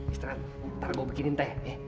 istirahat ntar gue bikinin teh